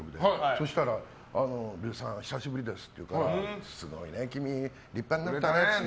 そしたら、ルーさん久しぶりですって言うからすごいね君、立派になったねって。